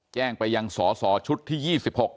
แจ้งไปยังสสชุดที่๒๖